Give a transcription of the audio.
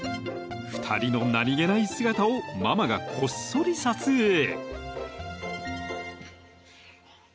［２人の何げない姿をママがこっそり撮影］